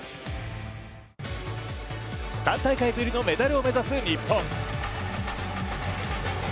３大会ぶりのメダルを目指す、日本。